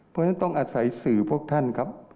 เพราะฉะนั้นต้องอาศัยสื่อพวกท่านครับ